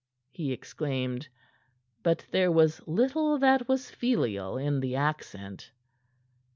he exclaimed; but there was little that was filial in the accent.